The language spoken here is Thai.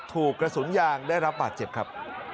ถูกกระสุนยางได้รับบาดเจ็บครับ